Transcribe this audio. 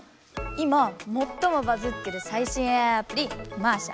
今もっともバズってるさい新ＡＩアプリマーシャ。